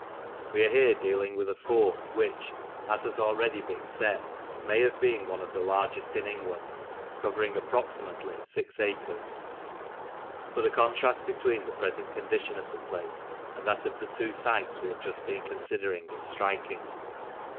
We are here dealing with a fort which, as has already been said, may have been one of the largest in England, covering, approximately, six acres. But the contrast between the present condition of the place and that of the two sites we have just been considering is striking.